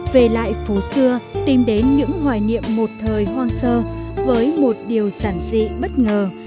về lại phố xưa tìm đến những hoài niệm một thời hoang sơ với một điều giản dị bất ngờ